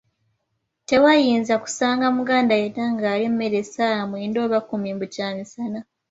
Tewanyinza kusanga Muganda yenna ng'alya emmere essaawa mwenda oba kkumi mbu kyamisana !